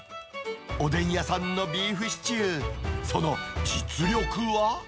おでん屋さんのビーフシチュー、その実力は。